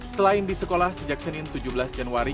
selain di sekolah sejak senin tujuh belas januari